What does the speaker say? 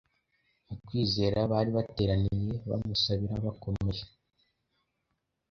mu kwizera bari bateraniye bamusabira bakomeje.